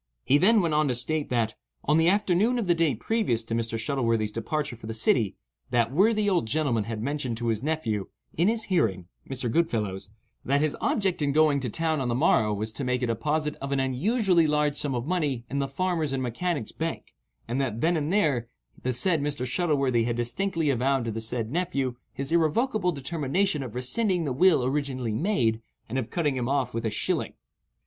He then went on to state that, on the afternoon of the day previous to Mr. Shuttleworthy's departure for the city, that worthy old gentleman had mentioned to his nephew, in his hearing (Mr. Goodfellow's), that his object in going to town on the morrow was to make a deposit of an unusually large sum of money in the "Farmers' and Mechanics' Bank," and that, then and there, the said Mr. Shuttleworthy had distinctly avowed to the said nephew his irrevocable determination of rescinding the will originally made, and of cutting him off with a shilling.